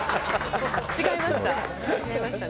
違いました？